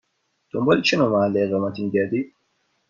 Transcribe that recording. دنبال چه نوع محل اقامتی می گردید؟